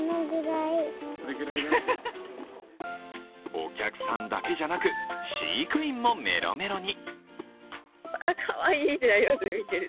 お客さんだけじゃなく飼育員もメロメロに。